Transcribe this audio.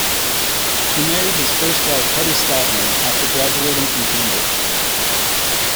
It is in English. He married his first wife Hedi Stadlen after graduating from Cambridge.